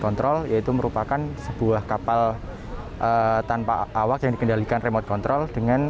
kontrol yaitu merupakan sebuah kapal tanpa awak yang dikendalikan remote control dengan